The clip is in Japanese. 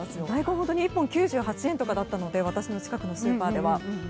大根１本９８円だったので私の近くのスーパーでは。